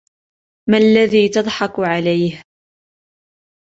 ما الذي تصحك عليه ؟